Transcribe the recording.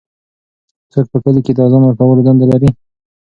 څوک په کلي کې د اذان ورکولو دنده لري؟